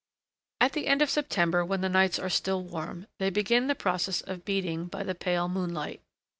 At the end of September, when the nights are still warm, they begin the process of beating, by the pale moonlight.